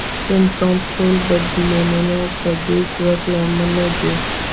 د انسان ټول بدلونونه د دې ځواک له امله دي.